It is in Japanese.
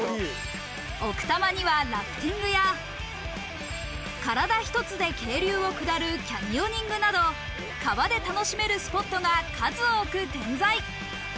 奥多摩にはラフティングや体ひとつで渓流を下るキャニオニングなど、川で楽しめるスポットが数多く点在。